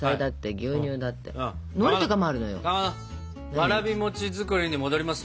わらび餅作りに戻りますよ。